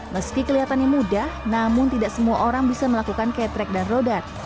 meski kelihatannya mudah namun tidak semua orang bisa melakukan ketrek dan rodat